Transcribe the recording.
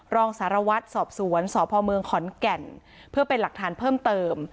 รองสารวัตรสอบสวนสพเมืองขอนแก่นเพื่อเป็นหลักฐานเพิ่มเติม